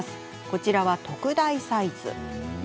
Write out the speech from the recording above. こちらは、特大サイズ。